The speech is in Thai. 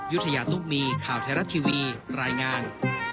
ยุธยาตุ้มมีข่าวไทยรัฐทีวีรายงาน